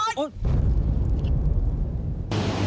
นิ่งโกนลิง